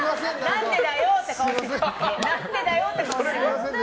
何でだよって顔してる。